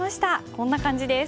こんな感じです。